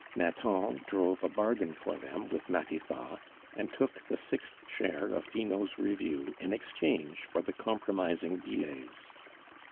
Nathan drove a bargain for them with Matifat, and took the sixth share of Finot's review in exchange for the compromising billets.